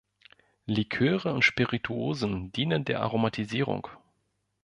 Liköre und Spirituosen dienen der Aromatisierung.